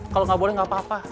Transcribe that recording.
kalau gak boleh gak apa apa